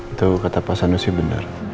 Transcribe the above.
itu kata pak sanusi benar